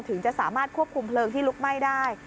ถึงจะสามารถควบคุมเพลิงที่ลุกไหม้ได้